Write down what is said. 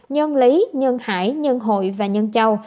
nhân lý nhân hải nhân hội và nhân châu